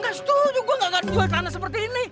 gak setuju gua gak jual tanah seperti ini